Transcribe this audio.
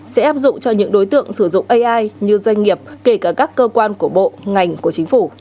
sẽ áp dụng cho những đối tượng sử dụng ai như doanh nghiệp kể cả các cơ quan của bộ ngành của chính phủ